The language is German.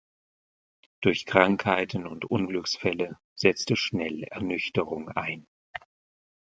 Durch Krankheiten und Unglücksfälle setzte schnell Ernüchterung ein.